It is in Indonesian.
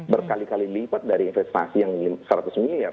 berkali kali lipat dari investasi yang seratus miliar